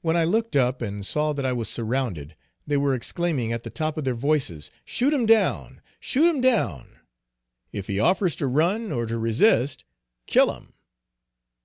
When I looked up and saw that I was surrounded, they were exclaiming at the top of their voices, "shoot him down! shoot him down!" "If he offers to run, or to resist, kill him!"